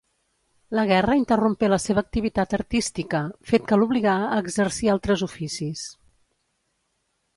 La guerra interrompé la seva activitat artística, fet que l'obligà a exercir altres oficis.